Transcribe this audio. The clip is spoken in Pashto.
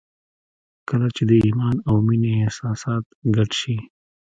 کله چې د ایمان او مینې احساسات ګډ شي